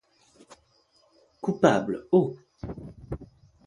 Coupable, oh!